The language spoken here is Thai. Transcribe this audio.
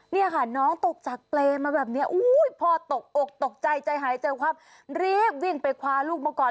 นี่ค่ะน้องตกจากเปรย์มาแบบนี้พอตกอกตกใจใจหายเจอความรีบวิ่งไปคว้าลูกมาก่อน